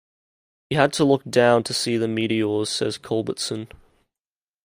"We had to look down to see the meteors," says Culbertson.